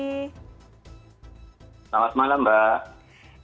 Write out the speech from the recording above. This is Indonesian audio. selamat malam mbak